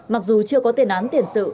mặc dù chưa có tiền án tiền sự